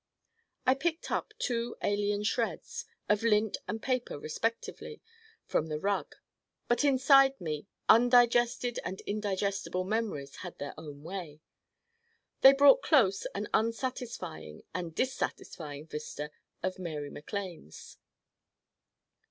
I picked up two alien shreds, of lint and paper respectively, from the rug, but inside me undigested and indigestible memories had their own way. They brought close an unsatisfying and dissatisfying vista of Mary MacLanes.